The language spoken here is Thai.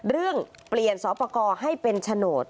เรื่องเปลี่ยนสอปกรให้เป็นโฉนด